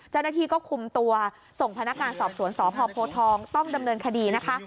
เจ้าหน้าที่ก็คุมตัวส่งพนักงานสอบสวนสพโพทองต้องดำเนินคดีนะคะ